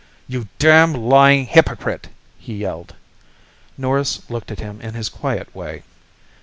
"You damned lying hypocrite!" he yelled. Norris looked at him in his quiet way.